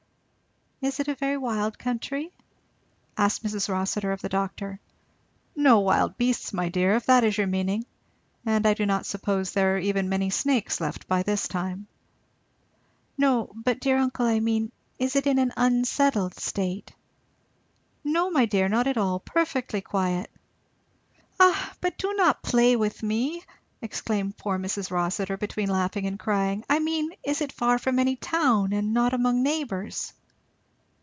"Is it a very wild country?" asked Mrs. Rossitur of the doctor. "No wild beasts, my dear, if that is your meaning, and I do not suppose there are even many snakes left by this time." "No, but dear uncle, I mean, is it in an unsettled state?" "No my dear, not at all, perfectly quiet." "Ah but do not play with me," exclaimed poor Mrs. Rossitur between laughing and crying; "I mean is it far from any town and not among neighbours?"